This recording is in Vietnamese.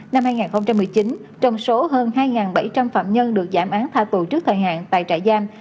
năm hai nghìn một mươi chín trong số hơn hai bảy trăm linh phạm nhân được giảm án tha tù trước thời hạn tại trại giam